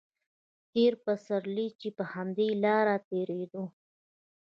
تېر پسرلی چې په همدې لاره تېرېدو.